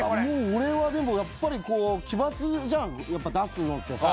俺はでもやっぱりこう奇抜じゃんやっぱり出すのってさ。